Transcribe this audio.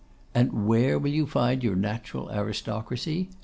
'And where will you find your natural aristocracy?